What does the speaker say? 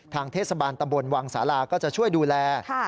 เทศบาลตำบลวังสาราก็จะช่วยดูแล